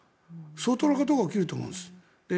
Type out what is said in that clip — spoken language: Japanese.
相当なことが起きると思うんです。